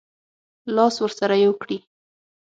لاس ورسره یو کړي.